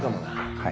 はい。